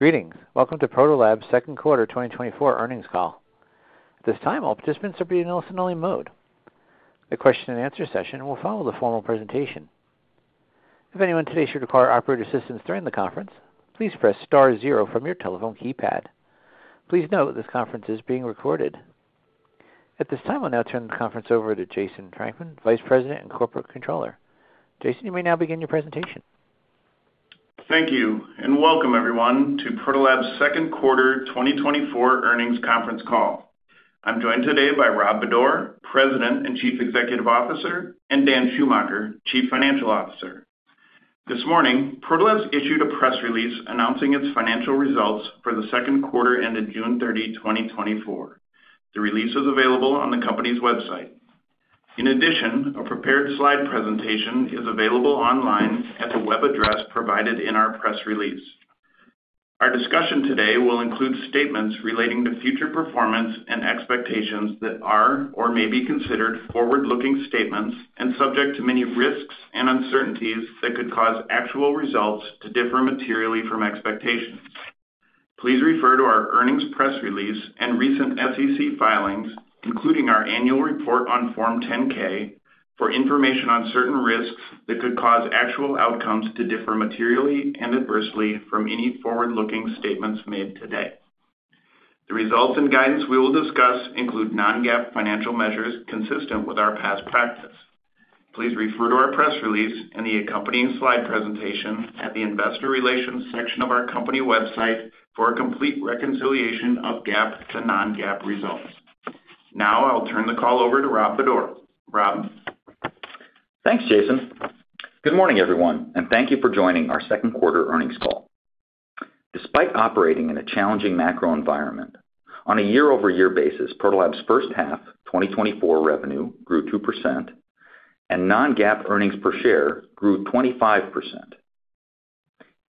Greetings. Welcome to Protolabs' Second Quarter 2024 Earnings Call. At this time, all participants are in a listen-only mode. The question-and-answer session will follow the formal presentation. If anyone today should require operator assistance during the conference, please press star zero from your telephone keypad. Please note this conference is being recorded. At this time, I'll now turn the conference over to Jason Frankman, Vice President and Corporate Controller. Jason, you may now begin your presentation. Thank you and welcome, everyone, to Protolabs' Second Quarter 2024 Earnings Conference Call. I'm joined today by Rob Bodor, President and Chief Executive Officer, and Dan Schumacher, Chief Financial Officer. This morning, Protolabs issued a press release announcing its financial results for the second quarter ended June 30, 2024. The release is available on the company's website. In addition, a prepared slide presentation is available online at the web address provided in our press release. Our discussion today will include statements relating to future performance and expectations that are or may be considered forward-looking statements and subject to many risks and uncertainties that could cause actual results to differ materially from expectations. Please refer to our earnings press release and recent SEC filings, including our annual report on Form 10-K, for information on certain risks that could cause actual outcomes to differ materially and adversely from any forward-looking statements made today. The results and guidance we will discuss include non-GAAP financial measures consistent with our past practice. Please refer to our press release and the accompanying slide presentation at the Investor Relations section of our company website for a complete reconciliation of GAAP to non-GAAP results. Now, I'll turn the call over to Rob Bodor. Rob. Thanks, Jason. Good morning, everyone, and thank you for joining our second quarter earnings call. Despite operating in a challenging macro environment, on a year-over-year basis, Protolabs' first half 2024 revenue grew 2%, and non-GAAP earnings per share grew 25%.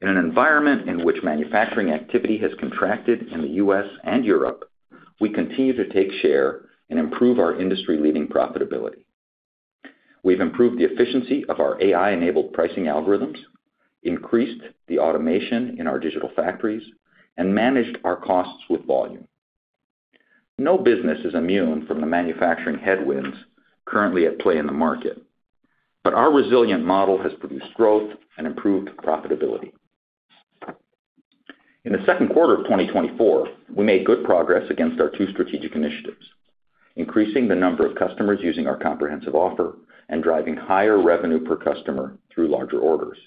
In an environment in which manufacturing activity has contracted in the U.S. and Europe, we continue to take share and improve our industry-leading profitability. We've improved the efficiency of our AI-enabled pricing algorithms, increased the automation in our digital factories, and managed our costs with volume. No business is immune from the manufacturing headwinds currently at play in the market, but our resilient model has produced growth and improved profitability. In the second quarter of 2024, we made good progress against our two strategic initiatives, increasing the number of customers using our comprehensive offer and driving higher revenue per customer through larger orders.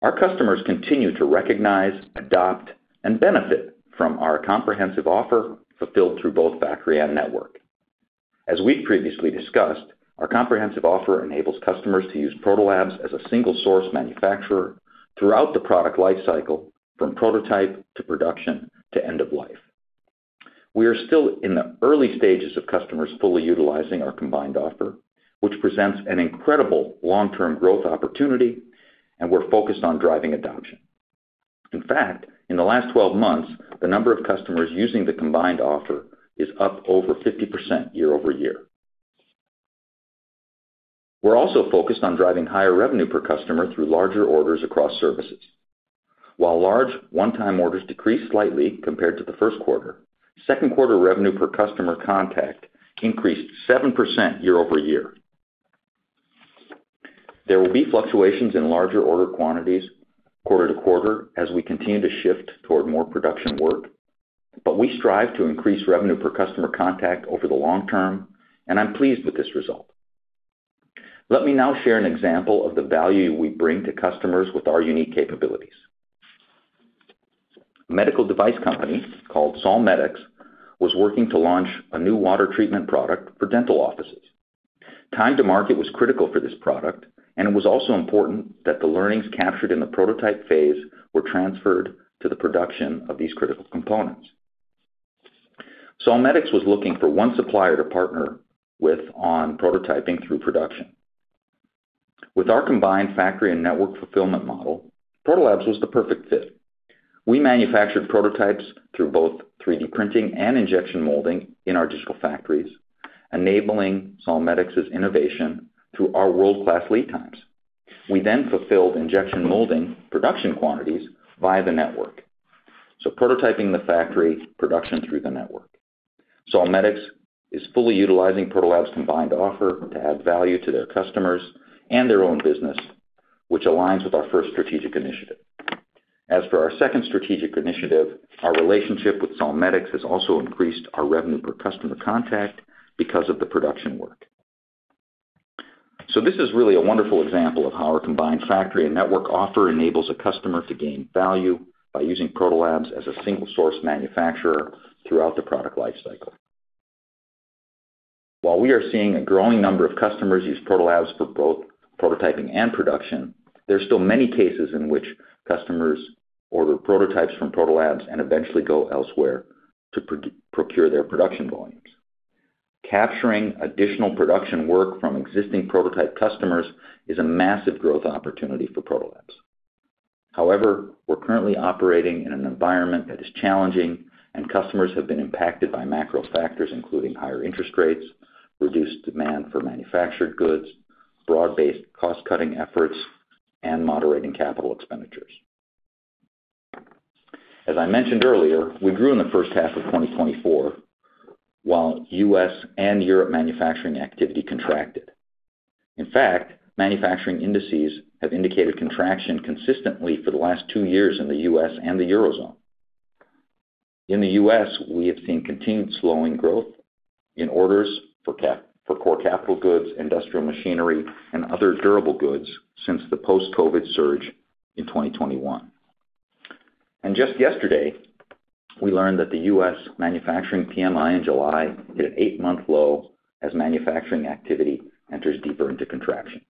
Our customers continue to recognize, adopt, and benefit from our comprehensive offer fulfilled through both factory and network. As we've previously discussed, our comprehensive offer enables customers to use Protolabs as a single-source manufacturer throughout the product lifecycle, from prototype to production to end of life. We are still in the early stages of customers fully utilizing our combined offer, which presents an incredible long-term growth opportunity, and we're focused on driving adoption. In fact, in the last 12 months, the number of customers using the combined offer is up over 50% YoY. We're also focused on driving higher revenue per customer through larger orders across services. While large one-time orders decreased slightly compared to the first quarter, second quarter revenue per customer contact increased 7% YoY. There will be fluctuations in larger order quantities quarter-to-quarter as we continue to shift toward more production work, but we strive to increase revenue per customer contact over the long term, and I'm pleased with this result. Let me now share an example of the value we bring to customers with our unique capabilities. A medical device company called Solmetex was working to launch a new water treatment product for dental offices. Time to market was critical for this product, and it was also important that the learnings captured in the prototype phase were transferred to the production of these critical components. Solmetex was looking for one supplier to partner with on prototyping through production. With our combined factory and network fulfillment model, Protolabs was the perfect fit. We manufactured prototypes through both 3D printing and injection molding in our digital factories, enabling Solmetex's innovation through our world-class lead times. We then fulfilled injection molding production quantities via the network, so prototyping the factory production through the network. Solmetex is fully utilizing Protolabs' combined offer to add value to their customers and their own business, which aligns with our first strategic initiative. As for our second strategic initiative, our relationship with Solmetex has also increased our revenue per customer contact because of the production work. So this is really a wonderful example of how our combined factory and network offer enables a customer to gain value by using Protolabs as a single-source manufacturer throughout the product lifecycle. While we are seeing a growing number of customers use Protolabs for both prototyping and production, there are still many cases in which customers order prototypes from Protolabs and eventually go elsewhere to procure their production volumes. Capturing additional production work from existing prototype customers is a massive growth opportunity for Protolabs. However, we're currently operating in an environment that is challenging, and customers have been impacted by macro factors including higher interest rates, reduced demand for manufactured goods, broad-based cost-cutting efforts, and moderating capital expenditures. As I mentioned earlier, we grew in the first half of 2024 while U.S. and Europe manufacturing activity contracted. In fact, manufacturing indices have indicated contraction consistently for the last two years in the U.S. and the Eurozone. In the U.S., we have seen continued slowing growth in orders for core capital goods, industrial machinery, and other durable goods since the post-COVID surge in 2021, and just yesterday, we learned that the U.S. manufacturing PMI in July hit an eight-month low as manufacturing activity enters deeper into contraction.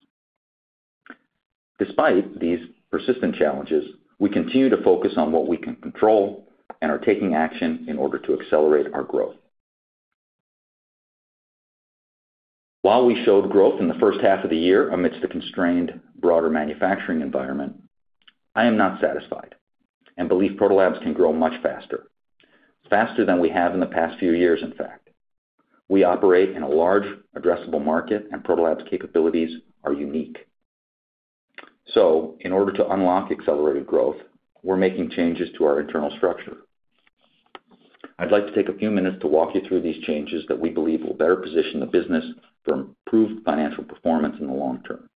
Despite these persistent challenges, we continue to focus on what we can control and are taking action in order to accelerate our growth. While we showed growth in the first half of the year amidst the constrained broader manufacturing environment, I am not satisfied and believe Protolabs can grow much faster, faster than we have in the past few years, in fact. We operate in a large, addressable market, and Protolabs' capabilities are unique, so in order to unlock accelerated growth, we're making changes to our internal structure. I'd like to take a few minutes to walk you through these changes that we believe will better position the business for improved financial performance in the long term.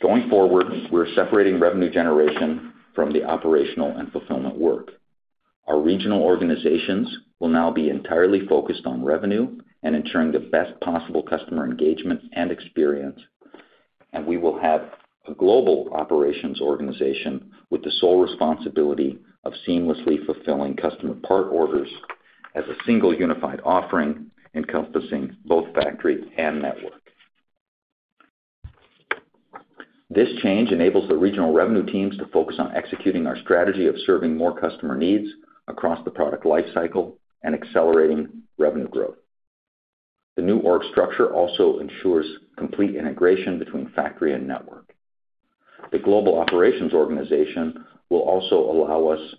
Going forward, we're separating revenue generation from the operational and fulfillment work. Our regional organizations will now be entirely focused on revenue and ensuring the best possible customer engagement and experience, and we will have a global operations organization with the sole responsibility of seamlessly fulfilling customer part orders as a single unified offering encompassing both factory and network. This change enables the regional revenue teams to focus on executing our strategy of serving more customer needs across the product lifecycle and accelerating revenue growth. The new org structure also ensures complete integration between factory and network. The global operations organization will also allow us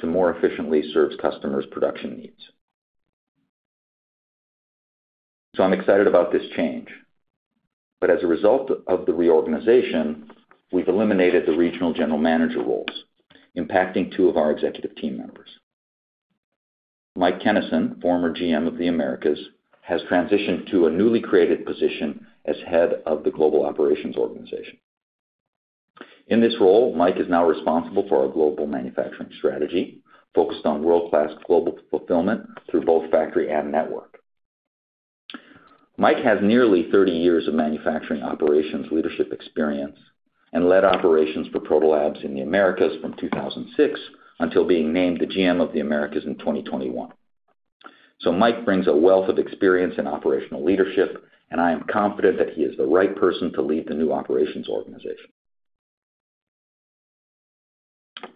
to more efficiently serve customers' production needs. I'm excited about this change, but as a result of the reorganization, we've eliminated the regional general manager roles, impacting two of our executive team members. Mike Kenison, former GM of the Americas, has transitioned to a newly created position as head of the global operations organization. In this role, Mike is now responsible for our global manufacturing strategy focused on world-class global fulfillment through both factory and network. Mike has nearly 30 years of manufacturing operations leadership experience and led operations for Protolabs in the Americas from 2006 until being named the GM of the Americas in 2021. Mike brings a wealth of experience in operational leadership, and I am confident that he is the right person to lead the new operations organization.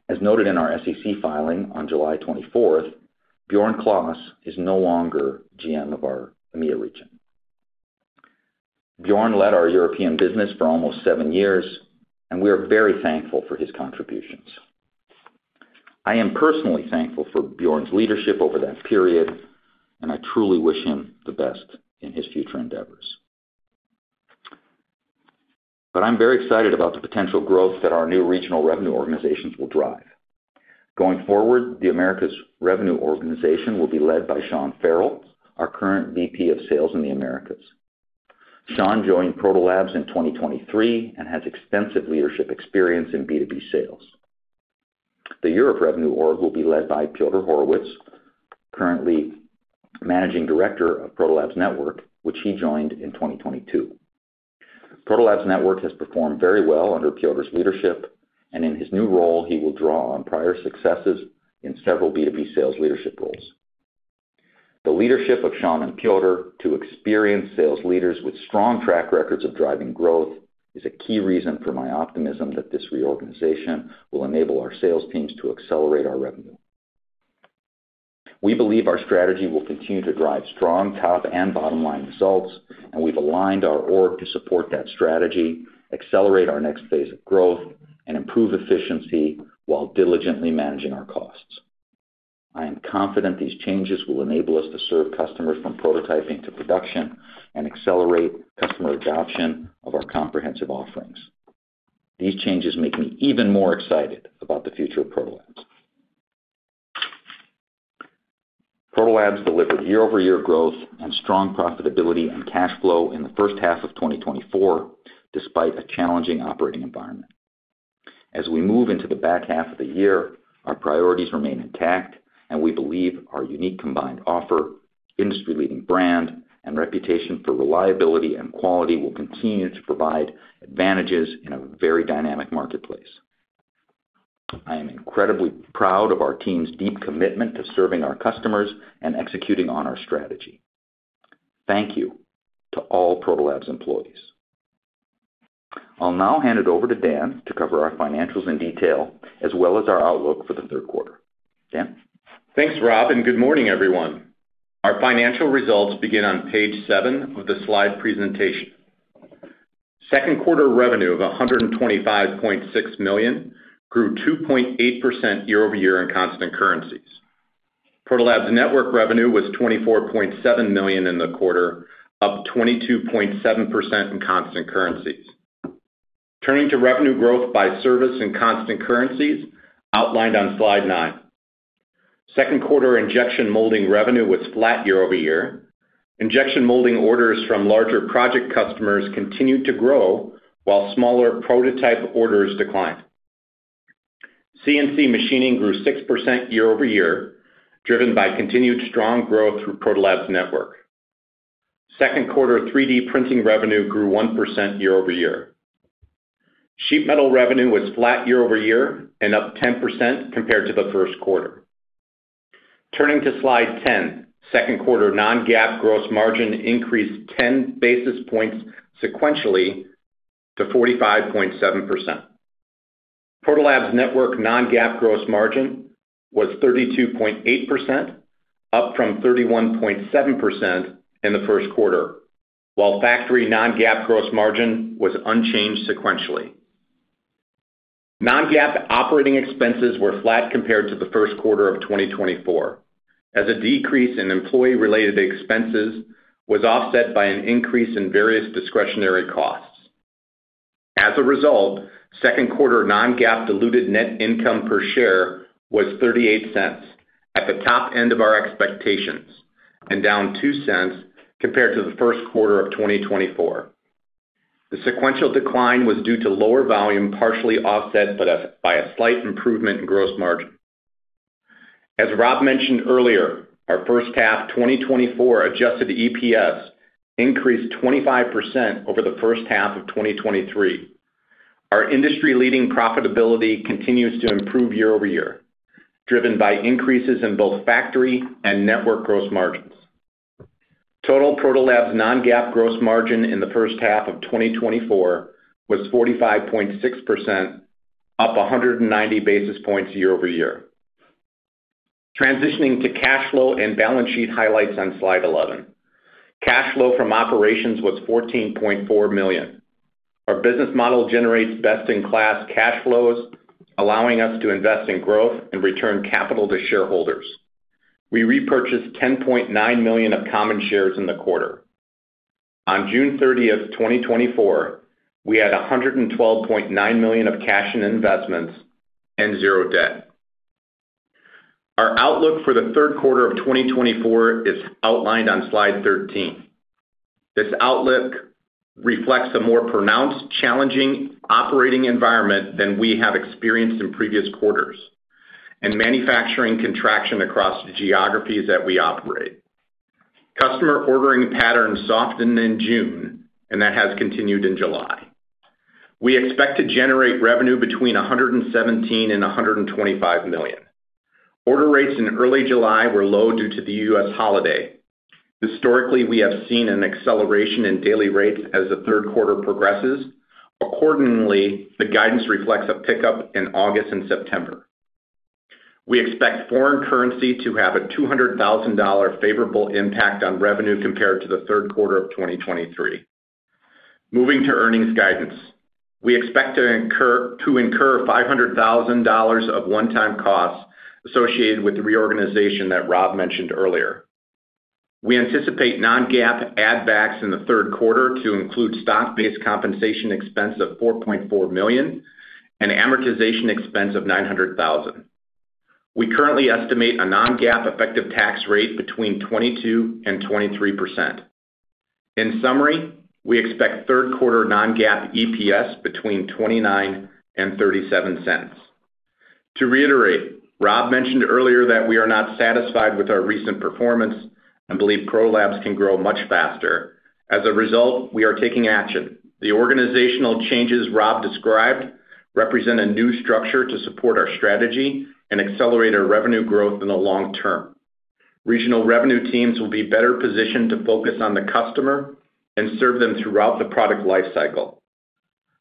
As noted in our SEC filing on July 24, Björn Klaas is no longer GM of our EMEA region. Björn led our European business for almost seven years, and we are very thankful for his contributions. I am personally thankful for Björn's leadership over that period, and I truly wish him the best in his future endeavors. But I'm very excited about the potential growth that our new regional revenue organizations will drive. Going forward, the Americas revenue organization will be led by Sean Farrell, our current VP of Sales in the Americas. Sean joined Protolabs in 2023 and has extensive leadership experience in B2B sales. The Europe revenue org will be led by Piotr Horosz, currently managing director of Protolabs Network, which he joined in 2022. Protolabs Network has performed very well under Piotr's leadership, and in his new role, he will draw on prior successes in several B2B sales leadership roles. The leadership of Sean and Piotr to experienced sales leaders with strong track records of driving growth is a key reason for my optimism that this reorganization will enable our sales teams to accelerate our revenue. We believe our strategy will continue to drive strong top and bottom-line results, and we've aligned our org to support that strategy, accelerate our next phase of growth, and improve efficiency while diligently managing our costs. I am confident these changes will enable us to serve customers from prototyping to production and accelerate customer adoption of our comprehensive offerings. These changes make me even more excited about the future of Protolabs. Protolabs delivered year-over-year growth and strong profitability and cash flow in the first half of 2024 despite a challenging operating environment. As we move into the back half of the year, our priorities remain intact, and we believe our unique combined offer, industry-leading brand, and reputation for reliability and quality will continue to provide advantages in a very dynamic marketplace. I am incredibly proud of our team's deep commitment to serving our customers and executing on our strategy. Thank you to all Protolabs employees. I'll now hand it over to Dan to cover our financials in detail as well as our outlook for the third quarter. Dan? Thanks, Rob, and good morning, everyone. Our financial results begin on page seven of the slide presentation. Second quarter revenue of $125.6 million grew 2.8% YoY in constant currencies. Protolabs Network revenue was $24.7 million in the quarter, up 22.7% in constant currencies. Turning to revenue growth by service in constant currencies outlined on slide nine, second quarter injection molding revenue was flat year-over-year. Injection molding orders from larger project customers continued to grow while smaller prototype orders declined. CNC machining grew 6% YoY, driven by continued strong growth through Protolabs Network. Second quarter 3D printing revenue grew 1% YoY. Sheet metal revenue was flat year-over-year and up 10% compared to the first quarter. Turning to slide ten, second quarter non-GAAP gross margin increased 10 basis points sequentially to 45.7%. Protolabs Network non-GAAP gross margin was 32.8%, up from 31.7% in the first quarter, while factory non-GAAP gross margin was unchanged sequentially. Non-GAAP operating expenses were flat compared to the first quarter of 2024, as a decrease in employee-related expenses was offset by an increase in various discretionary costs. As a result, second quarter non-GAAP diluted net income per share was $0.38 at the top end of our expectations and down $0.02 compared to the first quarter of 2024. The sequential decline was due to lower volume partially offset by a slight improvement in gross margin. As Rob mentioned earlier, our first half 2024 adjusted EPS increased 25% over the first half of 2023. Our industry-leading profitability continues to improve year-over-year, driven by increases in both factory and network gross margins. Total Protolabs non-GAAP gross margin in the first half of 2024 was 45.6%, up 190 basis points year-over-year. Transitioning to cash flow and balance sheet highlights on slide 11. Cash flow from operations was $14.4 million. Our business model generates best-in-class cash flows, allowing us to invest in growth and return capital to shareholders. We repurchased $10.9 million of common shares in the quarter. On June 30, 2024, we had $112.9 million of cash and investments and zero debt. Our outlook for the third quarter of 2024 is outlined on slide 13. This outlook reflects a more pronounced, challenging operating environment than we have experienced in previous quarters and manufacturing contraction across the geographies that we operate. Customer ordering pattern softened in June, and that has continued in July. We expect to generate revenue between $117 million and $125 million. Order rates in early July were low due to the U.S. holiday. Historically, we have seen an acceleration in daily rates as the third quarter progresses. Accordingly, the guidance reflects a pickup in August and September. We expect foreign currency to have a $200,000 favorable impact on revenue compared to the third quarter of 2023. Moving to earnings guidance, we expect to incur $500,000 of one-time costs associated with the reorganization that Rob mentioned earlier. We anticipate non-GAAP add-backs in the third quarter to include stock-based compensation expense of $4.4 million and amortization expense of $900,000. We currently estimate a non-GAAP effective tax rate between 22% and 23%. In summary, we expect third quarter non-GAAP EPS between $0.29 and $0.37. To reiterate, Rob mentioned earlier that we are not satisfied with our recent performance and believe Protolabs can grow much faster. As a result, we are taking action. The organizational changes Rob described represent a new structure to support our strategy and accelerate our revenue growth in the long term. Regional revenue teams will be better positioned to focus on the customer and serve them throughout the product lifecycle.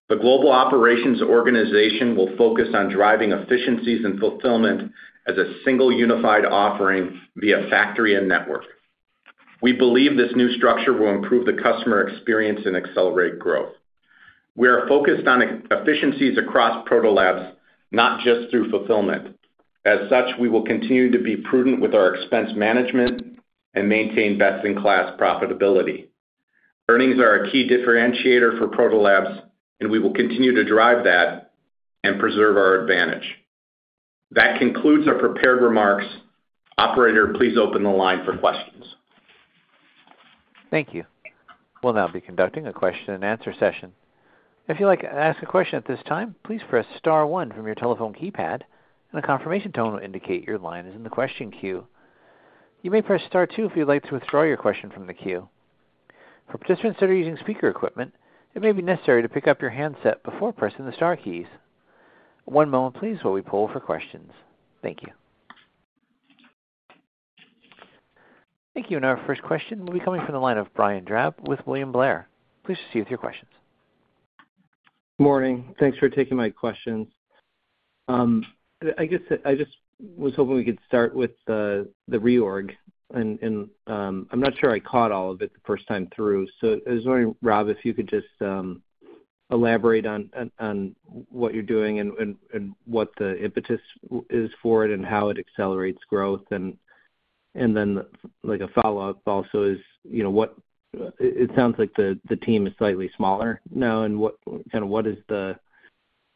The global operations organization will focus on driving efficiencies and fulfillment as a single unified offering via factory and network. We believe this new structure will improve the customer experience and accelerate growth. We are focused on efficiencies across Protolabs, not just through fulfillment. As such, we will continue to be prudent with our expense management and maintain best-in-class profitability. Earnings are a key differentiator for Protolabs, and we will continue to drive that and preserve our advantage. That concludes our prepared remarks. Operator, please open the line for questions. Thank you. We'll now be conducting a question-and-answer session. If you'd like to ask a question at this time, please press star one from your telephone keypad, and a confirmation tone will indicate your line is in the question queue. You may press star two if you'd like to withdraw your question from the queue. For participants that are using speaker equipment, it may be necessary to pick up your handset before pressing the star keys. One moment, please, while we pull for questions. Thank you. Thank you. And our first question will be coming from the line of Brian Drab with William Blair. Please proceed with your questions. Good morning. Thanks for taking my questions. I guess I just was hoping we could start with the reorg, and I'm not sure I caught all of it the first time through. So I was wondering, Rob, if you could just elaborate on what you're doing and what the impetus is for it and how it accelerates growth? And then a follow-up also is, it sounds like the team is slightly smaller now, and kind of what is the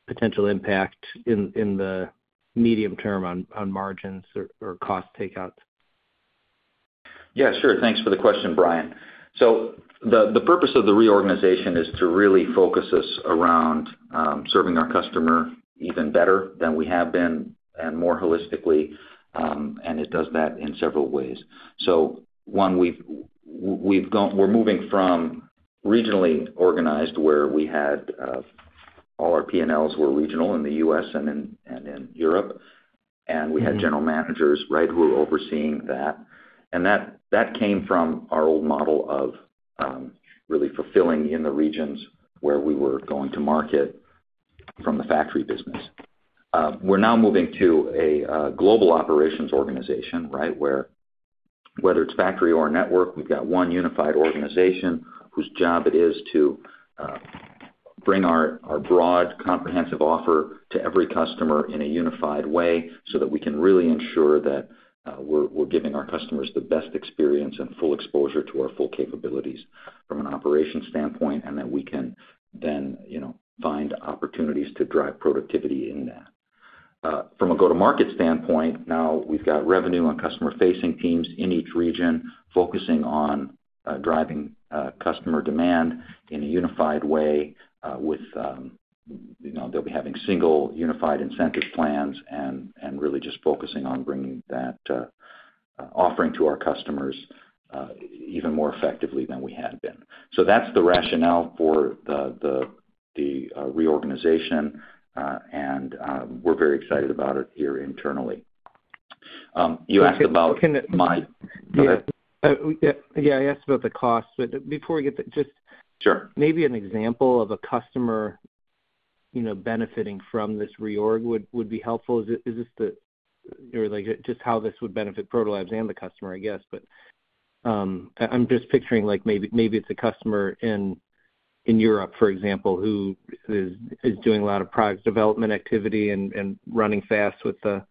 potential impact in the medium term on margins or cost takeouts? Yeah, sure. Thanks for the question, Brian. So the purpose of the reorganization is to really focus us around serving our customer even better than we have been and more holistically, and it does that in several ways. So one, we're moving from regionally organized where we had all our P&Ls were regional in the U.S. and in Europe, and we had general managers, right, who were overseeing that. And that came from our old model of really fulfilling in the regions where we were going to market from the factory business. We're now moving to a global operations organization, right, where whether it's factory or network, we've got one unified organization whose job it is to bring our broad comprehensive offer to every customer in a unified way so that we can really ensure that we're giving our customers the best experience and full exposure to our full capabilities from an operations standpoint, and that we can then find opportunities to drive productivity in that. From a go-to-market standpoint, now we've got revenue on customer-facing teams in each region focusing on driving customer demand in a unified way with they'll be having single unified incentive plans and really just focusing on bringing that offering to our customers even more effectively than we had been. So that's the rationale for the reorganization, and we're very excited about it here internally. You asked about my. Yeah, I asked about the cost, but before we get there, just maybe an example of a customer benefiting from this reorg would be helpful. Is this the, or just how this would benefit Protolabs and the customer, I guess? But I'm just picturing maybe it's a customer in Europe, for example, who is doing a lot of product development activity and running fast with the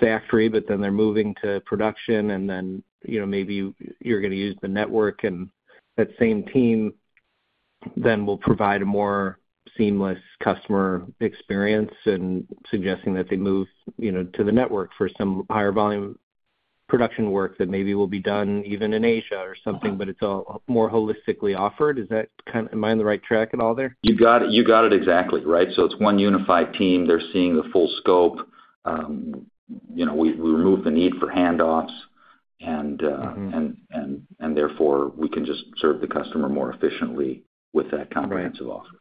factory, but then they're moving to production, and then maybe you're going to use the network, and that same team then will provide a more seamless customer experience and suggesting that they move to the network for some higher volume production work that maybe will be done even in Asia or something, but it's all more holistically offered. Am I on the right track at all there? You got it exactly, right? So it's one unified team. They're seeing the full scope. We remove the need for handoffs, and therefore, we can just serve the customer more efficiently with that comprehensive offer.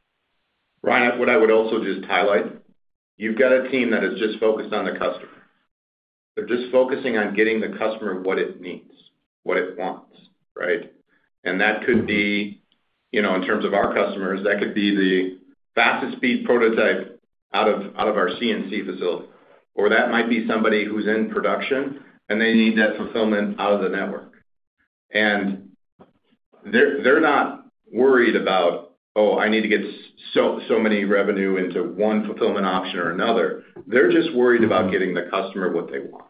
Right. What I would also just highlight, you've got a team that is just focused on the customer. They're just focusing on getting the customer what it needs, what it wants, right? And that could be, in terms of our customers, that could be the fastest-speed prototype out of our CNC facility, or that might be somebody who's in production, and they need that fulfillment out of the network. And they're not worried about, "Oh, I need to get so many revenue into one fulfillment option or another." They're just worried about getting the customer what they want.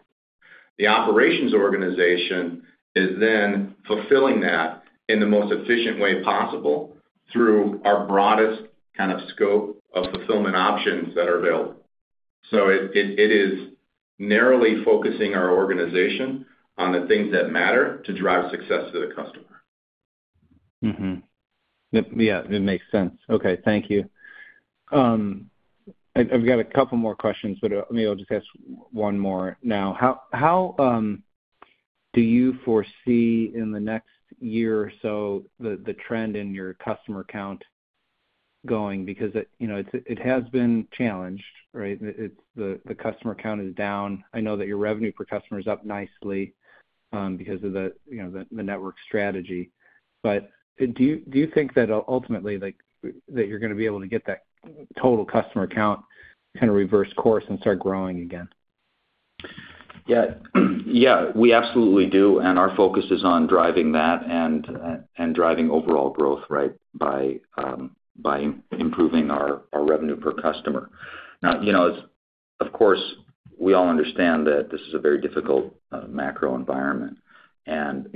The operations organization is then fulfilling that in the most efficient way possible through our broadest kind of scope of fulfillment options that are available. So it is narrowly focusing our organization on the things that matter to drive success to the customer. Yeah, it makes sense. Okay, thank you. I've got a couple more questions, but maybe I'll just ask one more now. How do you foresee in the next year or so the trend in your customer count going? Because it has been challenged, right? The customer count is down. I know that your revenue per customer is up nicely because of the network strategy. But do you think that ultimately that you're going to be able to get that total customer count kind of reverse course and start growing again? Yeah, yeah, we absolutely do. And our focus is on driving that and driving overall growth, right, by improving our revenue per customer. Now, of course, we all understand that this is a very difficult macro environment. And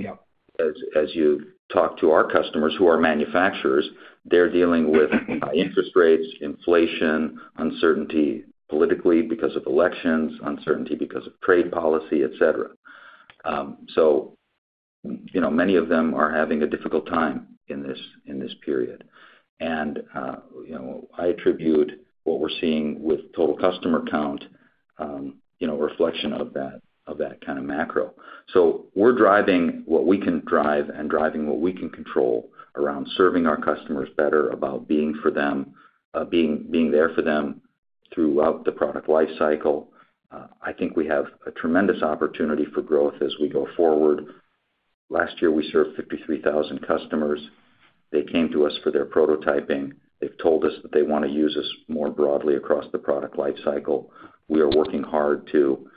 as you talk to our customers who are manufacturers, they're dealing with interest rates, inflation, uncertainty politically because of elections, uncertainty because of trade policy, etc. So many of them are having a difficult time in this period. And I attribute what we're seeing with total customer count reflection of that kind of macro. So we're driving what we can drive and driving what we can control around serving our customers better about being for them, being there for them throughout the product lifecycle. I think we have a tremendous opportunity for growth as we go forward. Last year, we served 53,000 customers. They came to us for their prototyping. They've told us that they want to use us more broadly across the product lifecycle. We are working hard to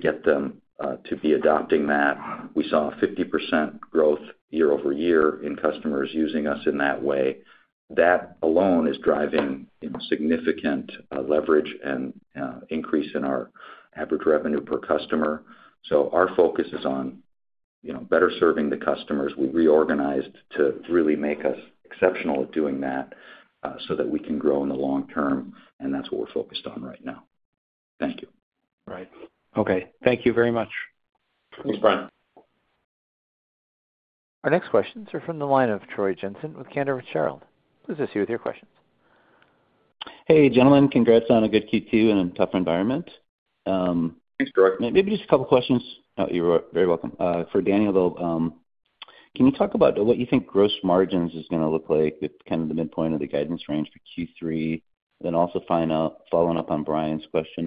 get them to be adopting that. We saw 50% growth year over year in customers using us in that way. That alone is driving significant leverage and increase in our average revenue per customer. So our focus is on better serving the customers. We reorganized to really make us exceptional at doing that so that we can grow in the long term, and that's what we're focused on right now. Thank you. All right. Okay. Thank you very much. Thanks, Brian. Our next questions are from the line of Troy Jensen with Cantor Fitzgerald. Please proceed with your questions. Hey, gentlemen. Congrats on a good Q2 in a tough environment. Thanks, Jensen. Maybe just a couple of questions. No, you're very welcome. For Daniel, can you talk about what you think gross margins is going to look like at kind of the midpoint of the guidance range for Q3? Then also following up on Brian's question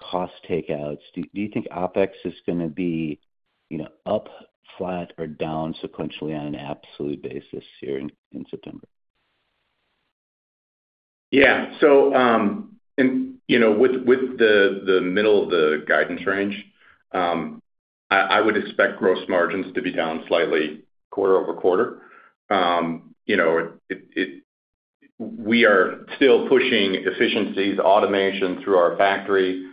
about cost takeouts, do you think OpEx is going to be up, flat, or down sequentially on an absolute basis here in September? Yeah. So with the middle of the guidance range, I would expect gross margins to be down slightly quarter over quarter. We are still pushing efficiencies, automation through our factory, and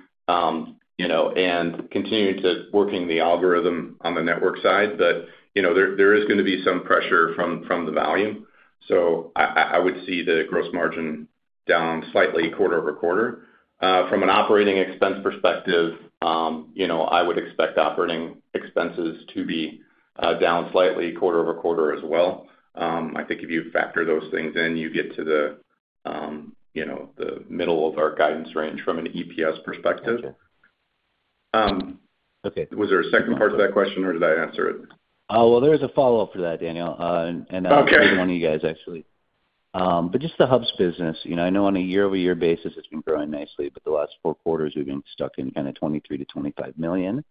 continuing to work the algorithm on the network side, but there is going to be some pressure from the volume. So I would see the gross margin down slightly quarter over quarter. From an operating expense perspective, I would expect operating expenses to be down slightly quarter over quarter as well. I think if you factor those things in, you get to the middle of our guidance range from an EPS perspective. Was there a second part to that question, or did I answer it? Oh, well, there is a follow-up for that, Daniel, and that's for one of you guys, actually, but just the Hubs business, I know on a year-over-year basis, it's been growing nicely, but the last four quarters, we've been stuck in kind of $23 million-$25 million,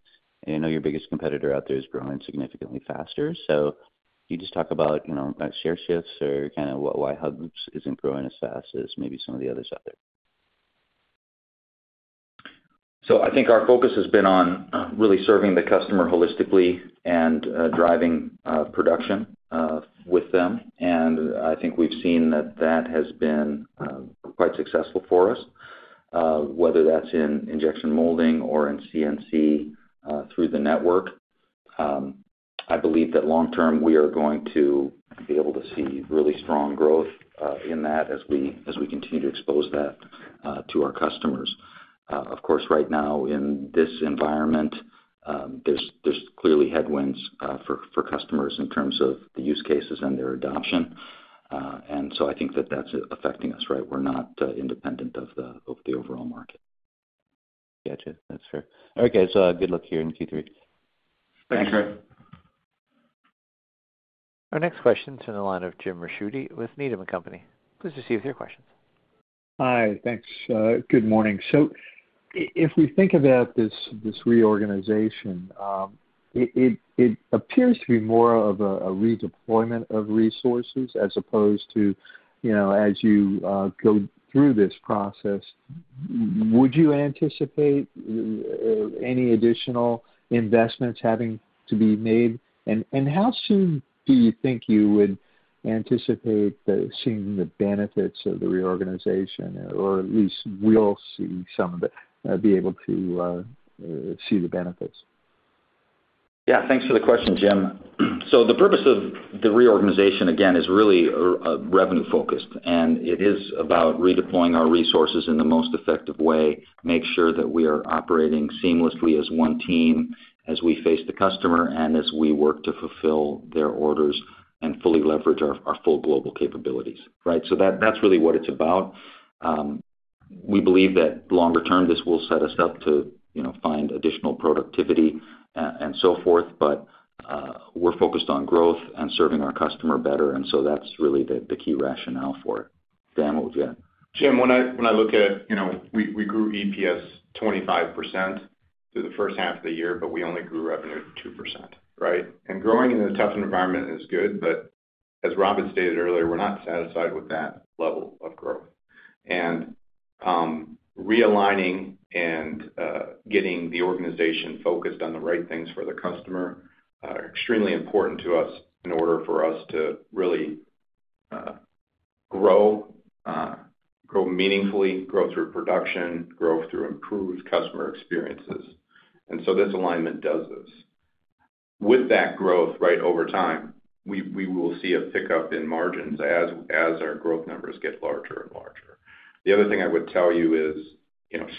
and I know your biggest competitor out there is growing significantly faster, so can you just talk about share shifts or kind of why Hubs isn't growing as fast as maybe some of the others out there? So I think our focus has been on really serving the customer holistically and driving production with them. And I think we've seen that that has been quite successful for us, whether that's in injection molding or in CNC through the network. I believe that long term, we are going to be able to see really strong growth in that as we continue to expose that to our customers. Of course, right now, in this environment, there's clearly headwinds for customers in terms of the use cases and their adoption. And so I think that that's affecting us, right? We're not independent of the overall market. Gotcha. That's fair. Okay. So good luck here in Q3. Thanks, Troy. Our next question is from the line of Jim Ricchiuti with Needham & Company. Please proceed with your questions. Hi. Thanks. Good morning. So if we think about this reorganization, it appears to be more of a redeployment of resources as opposed to, as you go through this process. Would you anticipate any additional investments having to be made? And how soon do you think you would anticipate seeing the benefits of the reorganization, or at least we'll see some of the benefits? Yeah. Thanks for the question, Jim. So the purpose of the reorganization, again, is really revenue-focused, and it is about redeploying our resources in the most effective way, make sure that we are operating seamlessly as one team as we face the customer and as we work to fulfill their orders and fully leverage our full global capabilities, right? So that's really what it's about. We believe that longer term, this will set us up to find additional productivity and so forth, but we're focused on growth and serving our customer better. And so that's really the key rationale for it. Dan, what would you add? Jim, when I look at we grew EPS 25% through the first half of the year, but we only grew revenue 2%, right, and growing in a tough environment is good, but as Rob had stated earlier, we're not satisfied with that level of growth, and realigning and getting the organization focused on the right things for the customer are extremely important to us in order for us to really grow meaningfully, grow through production, grow through improved customer experiences, and so this alignment does this. With that growth, right, over time, we will see a pickup in margins as our growth numbers get larger and larger. The other thing I would tell you is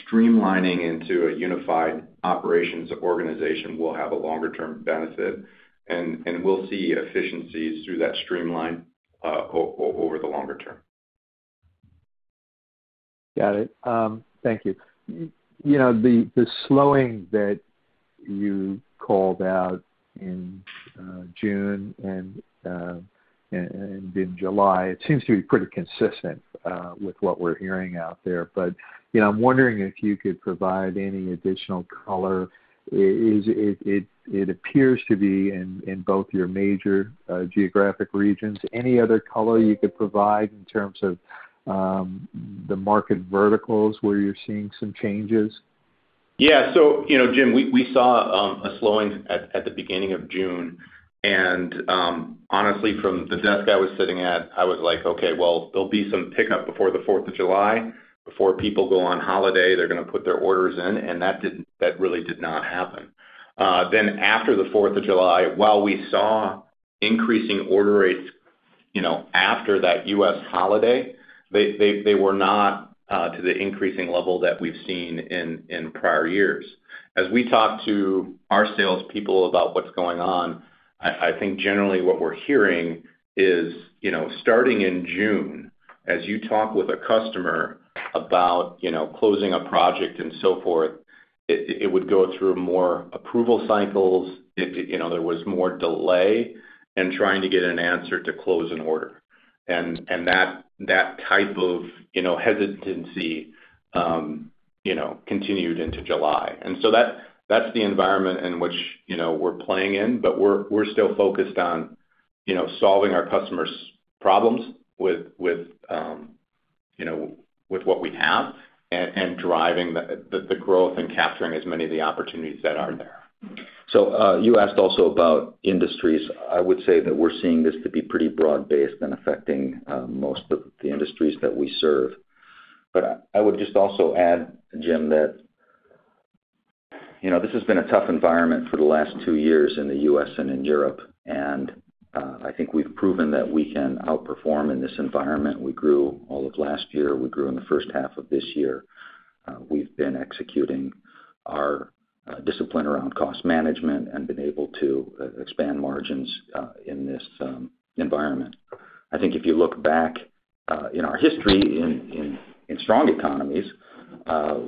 streamlining into a unified operations organization will have a longer-term benefit, and we'll see efficiencies through that streamline over the longer term. Got it. Thank you. The slowing that you called out in June and in July, it seems to be pretty consistent with what we're hearing out there. But I'm wondering if you could provide any additional color. It appears to be in both your major geographic regions. Any other color you could provide in terms of the market verticals where you're seeing some changes? Yeah. So, Jim, we saw a slowing at the beginning of June. And honestly, from the desk I was sitting at, I was like, "Okay, well, there'll be some pickup before the 4th of July. Before people go on holiday, they're going to put their orders in." And that really did not happen. Then after the 4th of July, while we saw increasing order rates after that U.S. holiday, they were not to the increasing level that we've seen in prior years. As we talk to our salespeople about what's going on, I think generally what we're hearing is starting in June, as you talk with a customer about closing a project and so forth, it would go through more approval cycles. There was more delay in trying to get an answer to close an order. And that type of hesitancy continued into July. And so that's the environment in which we're playing in, but we're still focused on solving our customers' problems with what we have and driving the growth and capturing as many of the opportunities that are there. So you asked also about industries. I would say that we're seeing this to be pretty broad-based and affecting most of the industries that we serve. But I would just also add, Jim, that this has been a tough environment for the last two years in the U.S. and in Europe. And I think we've proven that we can outperform in this environment. We grew all of last year. We grew in the first half of this year. We've been executing our discipline around cost management and been able to expand margins in this environment. I think if you look back in our history in strong economies,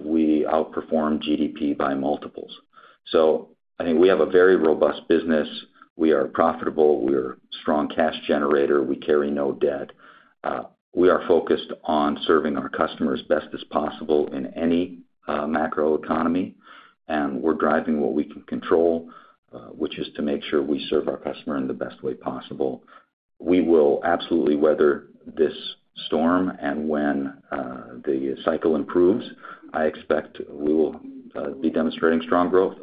we outperformed GDP by multiples. So I think we have a very robust business. We are profitable. We are a strong cash generator. We carry no debt. We are focused on serving our customers best as possible in any macro economy. We're driving what we can control, which is to make sure we serve our customer in the best way possible. We will absolutely weather this storm. When the cycle improves, I expect we will be demonstrating strong growth.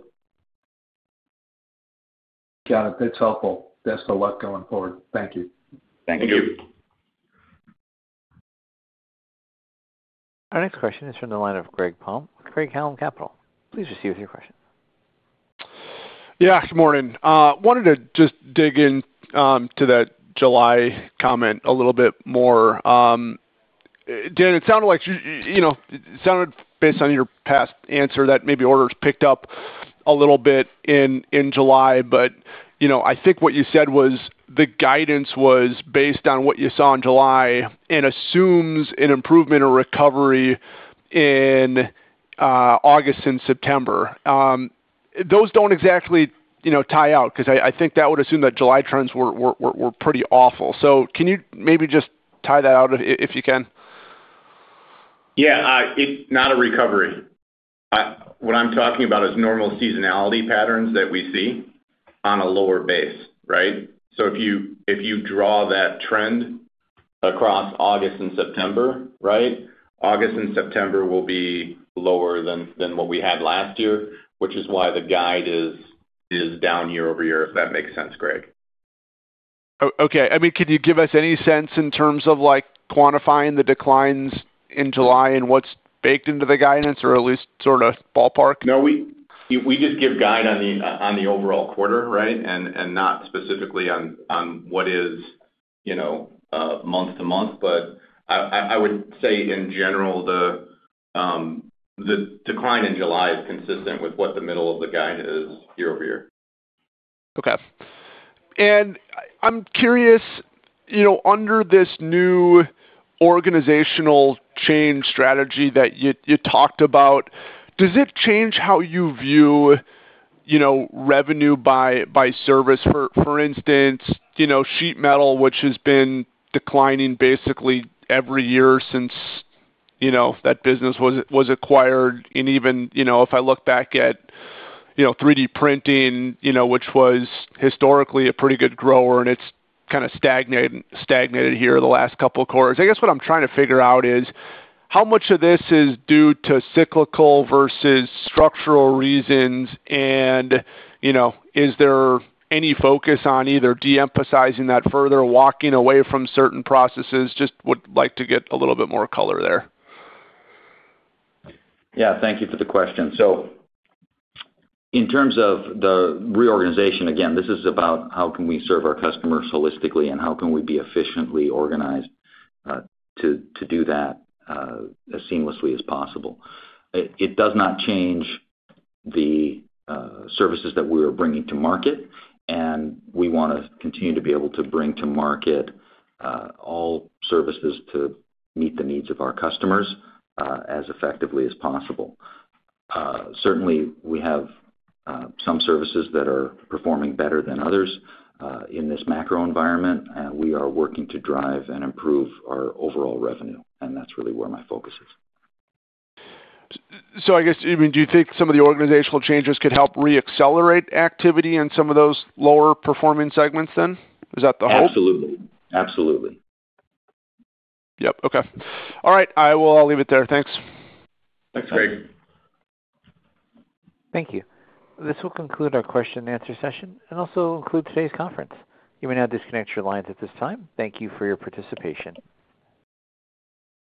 Got it. That's helpful. Best of luck going forward. Thank you. Thank you. Our next question is from the line of Greg Palm with Craig-Hallum Capital Group. Please proceed with your question. Yeah. Good morning. Wanted to just dig into that July comment a little bit more. Dan, it sounded like based on your past answer that maybe orders picked up a little bit in July, but I think what you said was the guidance was based on what you saw in July and assumes an improvement or recovery in August and September. Those don't exactly tie out because I think that would assume that July trends were pretty awful. So can you maybe just tie that out if you can? Yeah. Not a recovery. What I'm talking about is normal seasonality patterns that we see on a lower base, right? So if you draw that trend across August and September, right, August and September will be lower than what we had last year, which is why the guide is down year over year, if that makes sense, Greg. Okay. I mean, can you give us any sense in terms of quantifying the declines in July and what's baked into the guidance or at least sort of ballpark? No, we just give guidance on the overall quarter, right, and not specifically on what is month to month, but I would say, in general, the decline in July is consistent with what the middle of the guidance is year over year. Okay. And I'm curious, under this new organizational change strategy that you talked about, does it change how you view revenue by service? For instance, sheet metal, which has been declining basically every year since that business was acquired. And even if I look back at 3D printing, which was historically a pretty good grower, and it's kind of stagnated here the last couple of quarters. I guess what I'm trying to figure out is how much of this is due to cyclical versus structural reasons, and is there any focus on either de-emphasizing that further, walking away from certain processes? Just would like to get a little bit more color there. Yeah. Thank you for the question. So in terms of the reorganization, again, this is about how can we serve our customers holistically and how can we be efficiently organized to do that as seamlessly as possible. It does not change the services that we are bringing to market, and we want to continue to be able to bring to market all services to meet the needs of our customers as effectively as possible. Certainly, we have some services that are performing better than others in this macro environment, and we are working to drive and improve our overall revenue, and that's really where my focus is. So, I guess, I mean, do you think some of the organizational changes could help re-accelerate activity in some of those lower-performing segments then? Is that the hope? Absolutely. Absolutely. Yep. Okay. All right. I will leave it there. Thanks. Thanks, Greg. Thank you. This will conclude our question-and-answer session and also include today's conference. You may now disconnect your lines at this time. Thank you for your participation.